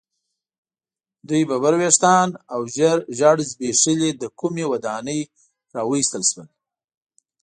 دوی ببر ویښتان او ژیړ زبیښلي له کومې ودانۍ را ویستل شول.